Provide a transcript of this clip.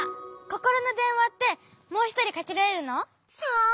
ココロのでんわってもうひとりかけられるの？さあ？